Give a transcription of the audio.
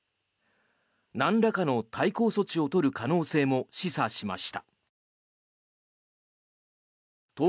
なんらかの対抗措置を取る可能性も示唆しました。